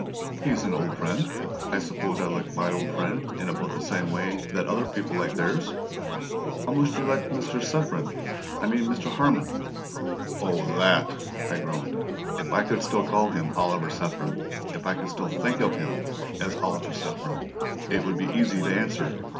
"He's an old friend. I suppose I like my old friends in about the same way that other people like theirs." "How much do you like Mr. Saffren I mean Mr. Harman?" "Oh, THAT!" I groaned. "If I could still call him 'Oliver Saffren,' if I could still think of him as 'Oliver Saffren,' it would be easy to answer.